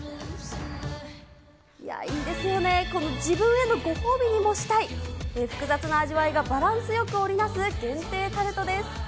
いやー、いいですよね、この自分へのご褒美にもしたい、複雑な味わいがバランスよく織り成す限定タルトです。